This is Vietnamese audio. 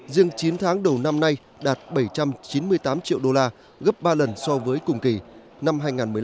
riêng chín tháng đầu năm nay đạt bảy trăm chín mươi tám triệu đô la gấp ba lần so với cùng kỳ năm hai nghìn một mươi bảy